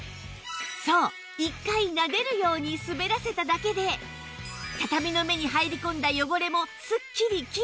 そう１回なでるように滑らせただけで畳の目に入り込んだ汚れもスッキリきれいに！